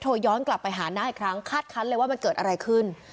ย้อนกลับไปหาน้าอีกครั้งคาดคันเลยว่ามันเกิดอะไรขึ้น